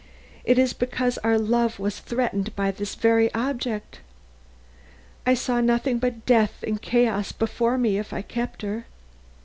It is because our love was threatened by this very object. I saw nothing but death and chaos before me if I kept her.